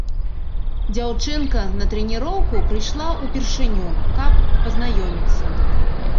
Дзяўчынка на трэніроўку прыйшла ўпершыню, каб пазнаёміцца.